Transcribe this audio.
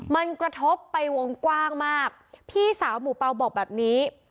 มันกระทบไปวงกว้างมากพี่สาวหมู่เปล่าบอกแบบนี้